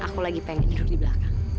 aku lagi pengen hidup di belakang